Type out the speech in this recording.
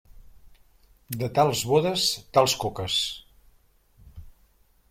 De tals bodes, tals coques.